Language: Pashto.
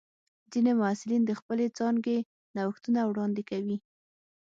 ځینې محصلین د خپلې څانګې نوښتونه وړاندې کوي.